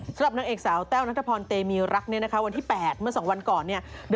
สำหรับนักเอกสาวแต้วนัทพรเตมีรักวันที่๘เมื่อสองวันก่อน